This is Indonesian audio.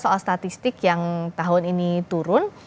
soal statistik yang tahun ini turun